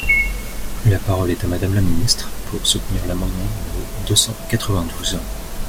La parole est à Madame la ministre, pour soutenir l’amendement numéro deux cent quatre-vingt-douze.